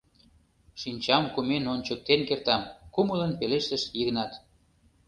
— Шинчам кумен ончыктен кертам! — кумылын пелештыш Йыгнат.